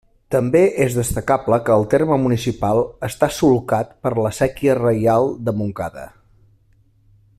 També és destacable que el terme municipal està solcat per la Séquia Reial de Montcada.